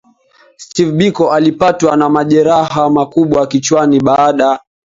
Steve Biko alipatwa na majeraha makubwa kichwani baada